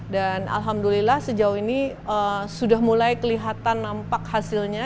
dan alhamdulillah sejauh ini sudah mulai kelihatan nampak hasilnya